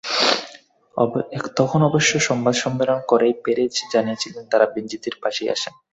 তখন অবশ্য সংবাদ সম্মেলন করেই পেরেজ জানিয়েছিলেন, তাঁরা বেনিতেজের পাশেই আছেন।